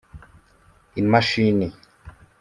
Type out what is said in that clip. Imashini